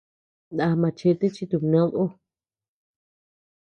Ndá machete chi tubnéd ú.